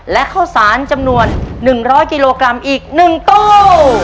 และข้าวสารจำนวน๑๐๐กิโลกรัมอีก๑ตู้